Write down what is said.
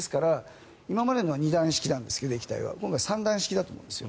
今までは２段式なんですが今回３段式だと思うんです。